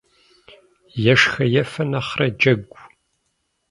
Ешхэ-ефэ нэхърэ джэгу.